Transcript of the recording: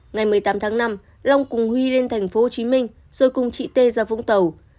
ngày một mươi tám tháng năm long cùng huy lên tp hcm rồi cùng chị tê ra vũng tàu